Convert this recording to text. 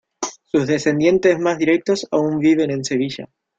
Sus descendientes más directos aún viven en Sevilla.